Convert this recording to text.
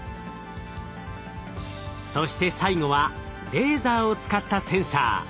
そして最後はレーザーを使ったセンサー。